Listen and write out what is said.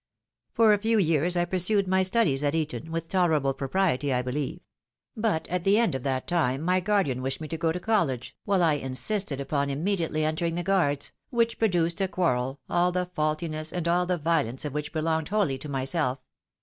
For a few years I pursued my studies at Eton, with tolerable propriety I beheve ; but at the end of that time, my guardian wished me to go to college, while I insisted upon immediately entering the Guards, which produced a quarrel, all the faulti ness, and all the violence of which belonged whoUy to myself.